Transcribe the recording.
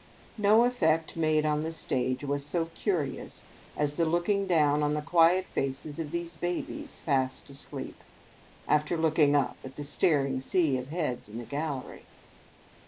No effect made on the stage was so cu rious, as the looking down on the quiet faces of these ba bies fast asleep, after looking up at the staring sea of heads in the gallery.